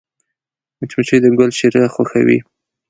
مچمچۍ د ګل شیره خوښوي